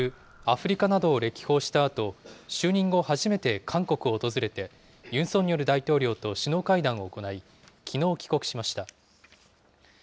岸田総理大臣は大型連休中、アフリカなどを歴訪したあと、就任後初めて、韓国を訪れて、ユン・ソンニョル大統領と首脳会談を行い、きのう帰国しました。